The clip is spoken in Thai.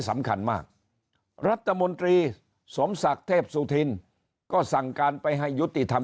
สำคัญมากรัฐมนตรีสมศักดิ์เทพสุธินก็สั่งการไปให้ยุติธรรม